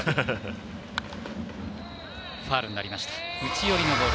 ファウルになりました。